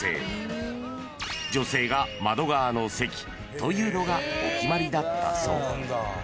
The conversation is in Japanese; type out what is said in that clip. ［というのがお決まりだったそう］